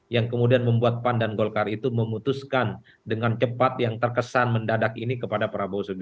yang kemudian membuat pan dan golkar itu memutuskan dengan cepat yang terkesan mendadak ini kepada prabowo subianto